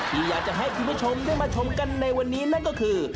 ที่อยากจะให้คุณผู้ชมได้มาชมกันในวันนี้นั่นก็คือ